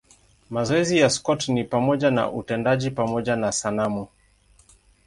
Mazoezi ya Scott ni pamoja na utendaji pamoja na sanamu.